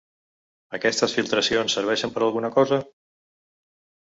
Aquestes filtracions serveixen per a alguna cosa?